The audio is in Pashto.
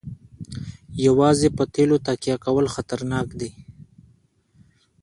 یوازې په تیلو تکیه کول خطرناک دي.